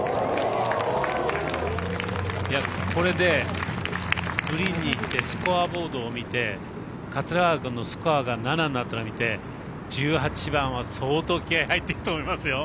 これでグリーンに行ってスコアボードを見て桂川君のスコアが７になったのを見て１８番は相当気合入っていくと思いますよ